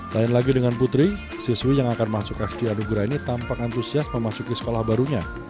lain lagi dengan putri siswi yang akan masuk sd anugerah ini tampak antusias memasuki sekolah barunya